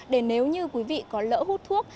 để nếu như quý vị có lỡ hút thuốc